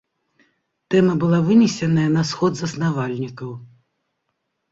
Тэма была вынесеная на сход заснавальнікаў.